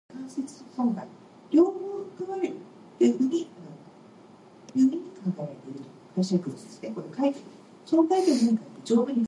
Sometimes a few under-clouds will be combed and groomed by the winds.